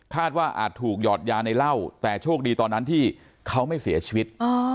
ว่าอาจถูกหยอดยาในเหล้าแต่โชคดีตอนนั้นที่เขาไม่เสียชีวิต